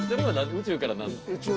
宇宙から？